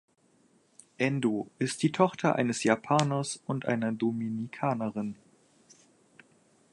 Endo ist die Tochter eines Japaners und einer Dominikanerin.